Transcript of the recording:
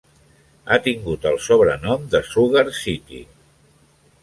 Ha tingut el sobrenom de "Sugar City".